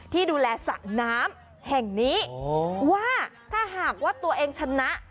ที่ดูแลสระน้ำแห่งนี้ว่าถ้าหากว่าตัวเองชนะ